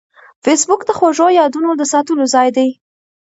فېسبوک د خوږو یادونو د ساتلو ځای دی